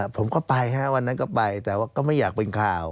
ผมก็ไปฮะวันนั้นก็ไปแต่ว่าก็ไม่อยากเป็นข่าว